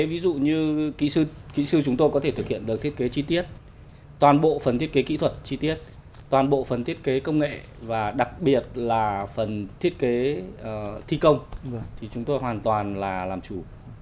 ví dụ như kỹ sư kỹ sư chúng tôi có thể thực hiện được thiết kế chi tiết toàn bộ phần thiết kế kỹ thuật chi tiết toàn bộ phần thiết kế công nghệ và đặc biệt là phần thiết kế thi công thì chúng tôi hoàn toàn là làm chủ